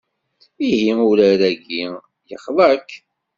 Ihi urar-ayi yexḍa-k?